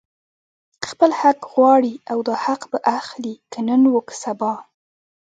خپل حق غواړي او دا حق به اخلي، که نن وو که سبا